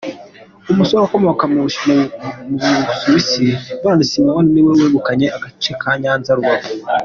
Umusore ukomoka mu Busuwisi, Pellaud Simon, niwe wegukanye agace ka Nyanza-Rubavu.